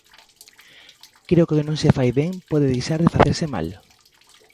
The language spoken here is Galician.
Creo que o que non se fai ben pode deixar de facerse mal.